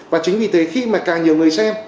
và chính vì thế khi mà càng nhiều người xem